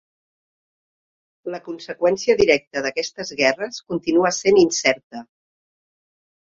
La conseqüència directa d'aquestes guerres continua sent incerta.